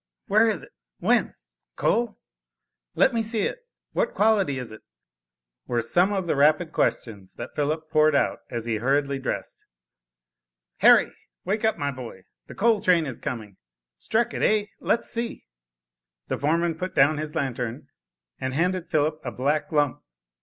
Where is it? When? Coal? Let me see it. What quality is it?" were some of the rapid questions that Philip poured out as he hurriedly dressed. "Harry, wake up, my boy, the coal train is coming. Struck it, eh? Let's see?" The foreman put down his lantern, and handed Philip a black lump.